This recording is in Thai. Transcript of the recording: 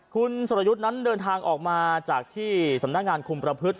คุณสรยุทธ์นั้นเดินทางออกมาจากที่สำนักงานคุมประพฤติ